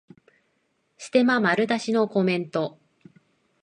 ステマ丸出しのコメント